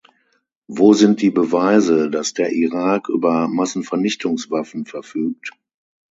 Wo sind die Beweise, dass der Irak über Massenvernichtungswaffen verfügt?